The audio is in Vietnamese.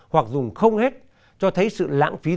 hoặc dùng không hết cho thấy sự lãng phí rất lớn